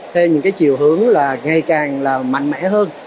hay những cái chiều hướng là ngày càng là mạnh mẽ hơn